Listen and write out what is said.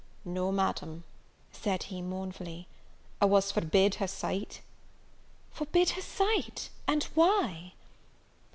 "No, Madam," said he, mournfully, "I was forbid her sight." "Forbid her sight! and why?"